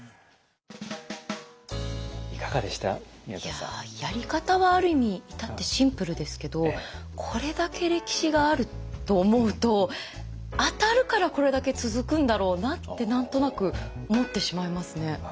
いややり方はある意味至ってシンプルですけどこれだけ歴史があると思うと当たるからこれだけ続くんだろうなって何となく思ってしまいますね。